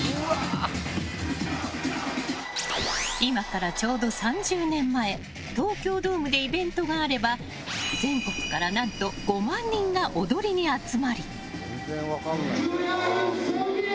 今から、ちょうど３０年前東京ドームでイベントがあれば全国から、何と５万人が踊りに集まり。